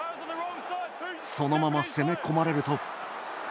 そのまま攻め込まれると。